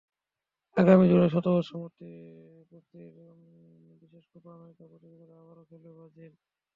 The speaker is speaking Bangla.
আগামী জুনে শতবর্ষ পূর্তির বিশেষ কোপা আমেরিকা প্রতিযোগিতায় আবারও খেলবে ব্রাজিল।